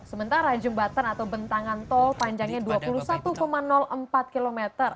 sementara jembatan atau bentangan tol panjangnya dua puluh satu empat km